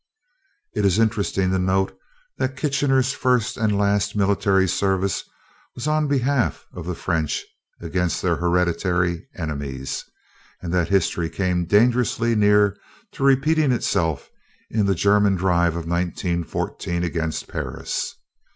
It is interesting to note that Kitchener's first and last military service was on behalf of the French against their hereditary enemies and that history came dangerously near to repeating itself in the German drive of 1914 against Paris.